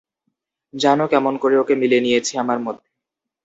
জান কেমন করে ওকে মিলিয়ে নিয়েছি আমার মধ্যে।